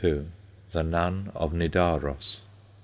THE NUN OF NIDAROS.